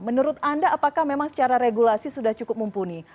menurut anda apakah memang secara regulasi sudah cukup mumpuni